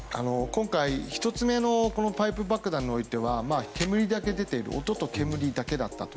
今回１つ目のパイプ爆弾においては音と煙だけだったと。